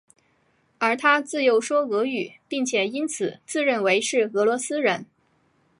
而他自幼说俄语并且因此自认为是俄罗斯人。